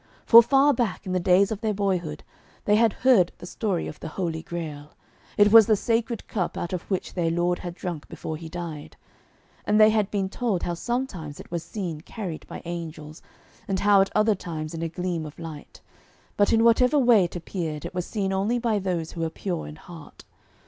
For far back, in the days of their boyhood, they had heard the story of the Holy Grail. It was the Sacred Cup out of which their Lord had drunk before He died. And they had been told how sometimes it was seen carried by angels, and how at other times in a gleam of light. But in whatever way it appeared, it was seen only by those who were pure in heart.